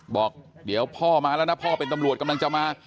บอกเดี๋ยวพ่อมาแล้วนะพ่อเป็นตำรวจกำลังจะมา